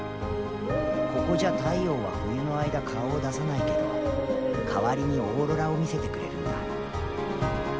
ここじゃ太陽は冬の間顔を出さないけど代わりにオーロラを見せてくれるんだ。